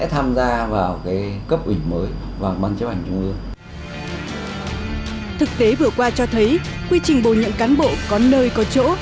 thực tế vừa qua cho thấy quy trình bổ nhận cán bộ có nơi có chỗ